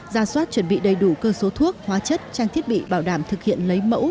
ra soát chuẩn bị đầy đủ cơ số thuốc hóa chất trang thiết bị bảo đảm thực hiện lấy mẫu